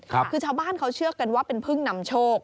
คือชาวบ้านเขาเชื่อกันว่าเป็นพึ่งนำโชค